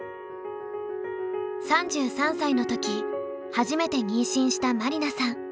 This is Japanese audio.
３３歳の時初めて妊娠した麻里奈さん。